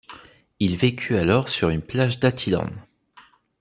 Il vécut alors sur une plage d'Attilan.